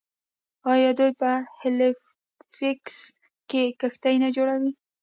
آیا دوی په هیلیفیکس کې کښتۍ نه جوړوي؟